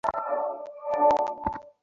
আমার পরিবর্তনের পেছনে বড় কোনো গল্প নেই।